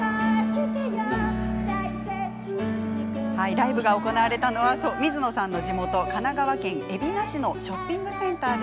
ライブが行われたのは水野さんの地元神奈川県海老名市のショッピングセンター。